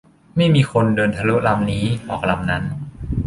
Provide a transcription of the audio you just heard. ไม่มีคน เดินทะลุลำนี้ ออกลำนั้น